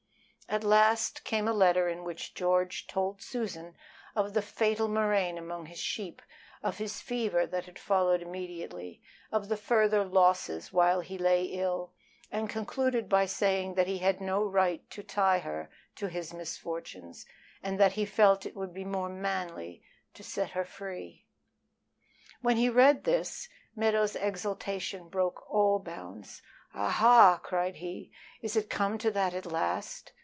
At last came a letter in which George told Susan of the fatal murrain among his sheep, of his fever that had followed immediately, of the further losses while he lay ill, and concluded by saying that he had no right to tie her to his misfortunes, and that he felt it would be more manly to set her free. When he read this, Meadows' exultation broke all bounds. "Ah ha!" cried he, "is it come to that at last?